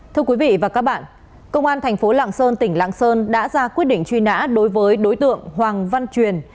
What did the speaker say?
thưa quý vị và các bạn công an thành phố lạng sơn tỉnh lạng sơn đã ra quyết định truy nã đối với đối tượng hoàng văn truyền